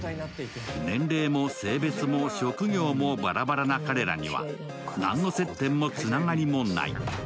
年齢も性別も職業もバラバラな彼らには何の接点もつながりもない。